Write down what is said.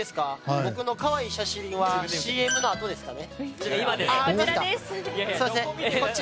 僕の可愛い写真はＣＭのあとですかね？